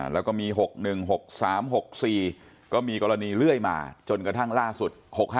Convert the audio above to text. แล้วก็มี๖๑๖๓๖๔ก็มีกรณีเรื่อยมาจนกระทั่งล่าสุด๖๕